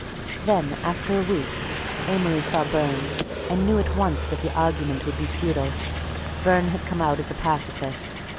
Then, after a week, Amory saw Burne and knew at once that argument would be futile—Burne had come out as a pacifist.